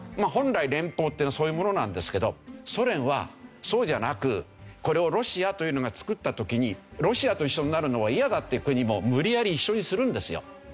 本来連邦っていうのはそういうものなんですけどソ連はそうじゃなくこれをロシアというのが作った時にロシアと一緒になるのは嫌だという国も無理やり一緒にするんですよ。